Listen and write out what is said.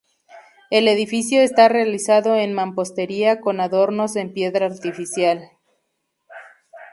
El edificio está realizado en mampostería con adornos en piedra artificial.